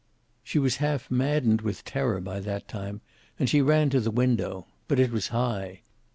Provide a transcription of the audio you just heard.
She was half maddened with terror by that time, and she ran to the window. But it was high.